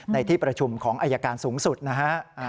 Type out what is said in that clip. ในที่ประชุมของอายการสูงสุดนะฮะ